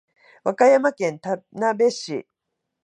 和歌山県田辺市